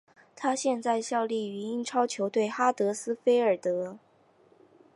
他现在效力于英超球队哈德斯菲尔德。